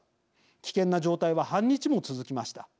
危険な状態は半日も続きました。